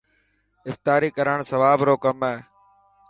افتاري ڪراڻ سواب رو ڪم هي